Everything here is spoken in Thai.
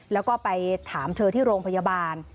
แล้วก็ไปถามเธอที่โรงพยาบาล